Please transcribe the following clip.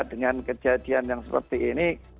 dengan kejadian yang seperti ini